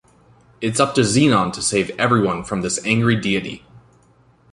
It's up to Zenon to save everyone from this angry deity.